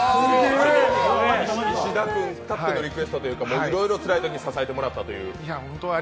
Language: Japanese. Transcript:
石田君たってのリクエストというかいろいろつらいときに支えてもらったという。